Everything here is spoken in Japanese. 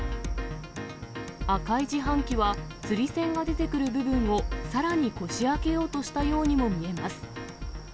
赤い自販機は、釣り銭が出てくる部分をさらにこじあけようとしたようにも見えます。